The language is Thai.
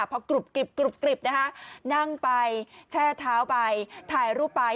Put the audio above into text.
พอกรุบกริบนะคะนั่งไปแช่เท้าไปถ่ายรูปไป